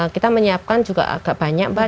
kita menyiapkan juga agak banyak mbak